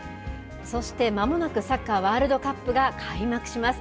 そして、まもなくサッカーワールドカップが開幕します。